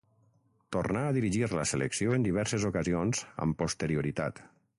Tornà a dirigir la selecció en diverses ocasions amb posterioritat.